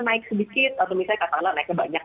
naik sedikit atau misalnya kata allah naiknya banyak